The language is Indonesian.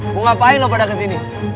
mau ngapain loh pada kesini